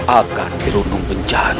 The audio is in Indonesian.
agar dirunung bencana